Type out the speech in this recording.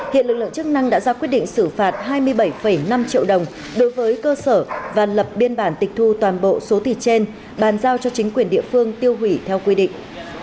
hiện lực lượng chức năng đã ra quyết định xử phạt hai mươi bảy năm triệu đồng đối với cơ sở và lập biên bản tịch thu toàn bộ số thịt trên bàn giao cho chính quyền địa phương tiêu hủy theo quy định